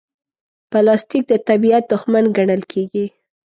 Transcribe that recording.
پلاستيک د طبیعت دښمن ګڼل کېږي.